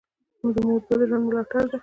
د مور دعا د ژوند ملاتړ ده.